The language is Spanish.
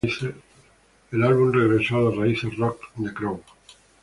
El álbum regresó a las raíces rock de Crow.